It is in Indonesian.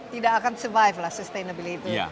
tidak akan survive lah sustainability